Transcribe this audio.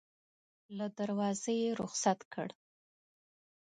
له دروازې یې رخصت کړل.